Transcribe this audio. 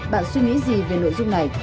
bạn suy nghĩ gì về nội dung này